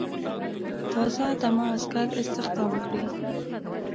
تازه دمه عسکر استخدام کړي.